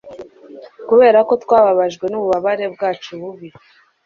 kuberako twababajwe nububabare bwacu bubi